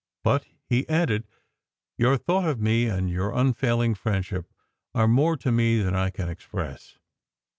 But he added: "Your thought of me, and your unfailing friendship, are more to me than I can express.